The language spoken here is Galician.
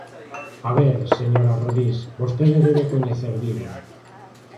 A ver, señora Rodís, vostede debe coñecer Vigo.